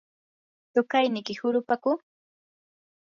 ¿tuqayniki hurupaku?